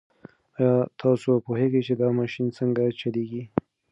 ایا تاسو پوهېږئ چې دا ماشین څنګه چلیږي؟